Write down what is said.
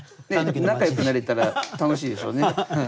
仲よくなれたら楽しいでしょうね。